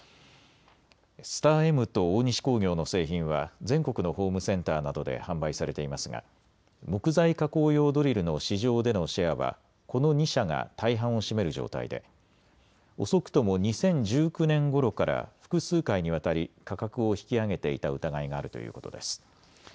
スターエムと大西工業の製品は全国のホームセンターなどで販売されていますが木材加工用ドリルの市場でのシェアはこの２社が大半を占める状態で遅くとも２０１９年ごろから複数回にわたり価格を引き上げていた疑いがあるということです。